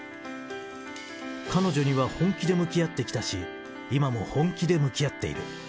彼女には本気で向き合ってきたし、今も本気で向き合っている。